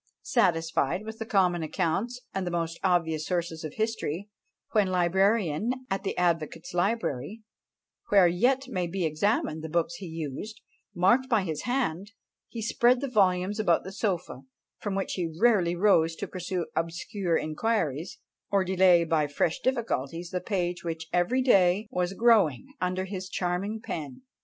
Satisfied with the common accounts, and the most obvious sources of history, when librarian at the Advocates' Library, where yet may be examined the books he used, marked by his hand, he spread the volumes about the sofa, from which he rarely rose to pursue obscure inquiries, or delay by fresh difficulties the page which every day was growing under his charming pen.